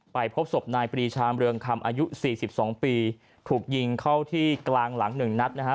พบศพนายปรีชามเรืองคำอายุ๔๒ปีถูกยิงเข้าที่กลางหลังหนึ่งนัดนะฮะ